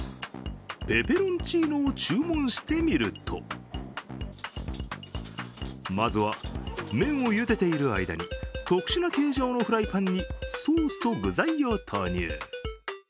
ペペロンチーノを注文してみるとまずは麺をゆでている間に特殊な形状のフライパンにソースと具材を投入。